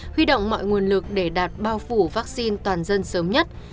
huy động mọi nguồn lực để đạt bao phủ vaccine toàn dân sớm nhất